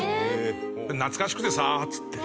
「懐かしくてさ」っつって。